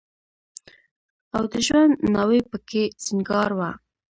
او د ژوند ناوې به په کې سينګار وه.